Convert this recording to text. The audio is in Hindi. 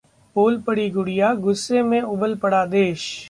बोल पड़ी 'गुड़िया', गुस्से में उबल पड़ा देश